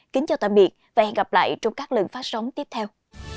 kính chào tạm biệt và hẹn gặp lại trong các lần phát sóng tiếp theo